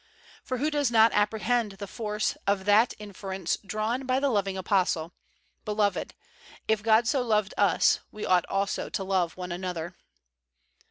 For who does not apprehend the force of that inference drawn by the loving Apostle, "Beloved, if God so loved us, we ought also to love one another."